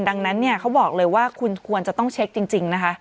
ดังนั้นเขาบอกเลยว่าควรจะต้องเช็คจริง